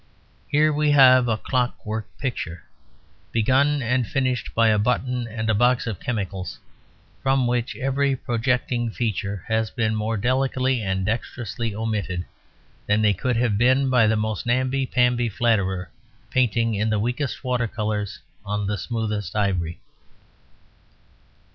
Here we have a clockwork picture, begun and finished by a button and a box of chemicals, from which every projecting feature has been more delicately and dexterously omitted than they could have been by the most namby pamby flatterer, painting in the weakest water colours, on the smoothest ivory.